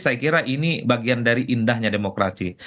saya kira ini bagian dari indahnya demokrasi